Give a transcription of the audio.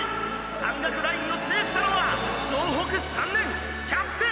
山岳ラインを制したのは総北３年キャプテン